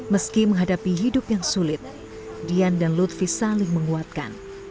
meski menghadapi hidup yang sulit dian dan lutfi saling menguatkan